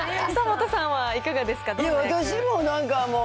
久本さんはいかがですか？